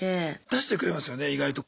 出してくれますよね意外と。